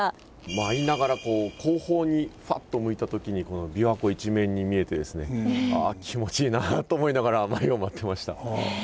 舞いながら後方にふぁっと向いた時にこの琵琶湖一面に見えてですねああ気持ちいいなと思いながら舞を舞ってました。